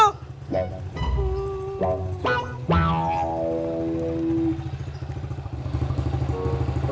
kayaknya udah gue bantuin dorong